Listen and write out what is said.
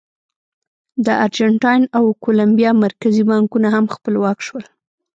د ارجنټاین او کولمبیا مرکزي بانکونه هم خپلواک شول.